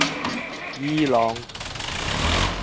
伊朗